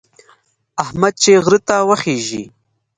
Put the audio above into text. احمد چې غره ته وخېژي،